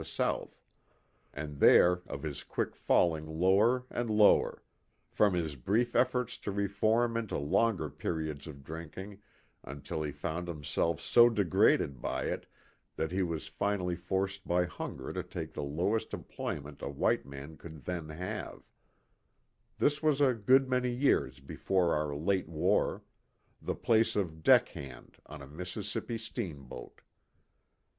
the South ; and there, of his quick falling lower and lower, from his brief efforts to reform into longer periods of drinking until he found him self so degraded by it that he was finally forced by hunger to take the lowest employment a white man could then have this was a good many years before our late war the place of " deck hand " on a Mississippi steamboat.